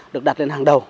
được đặt lên hàng đầu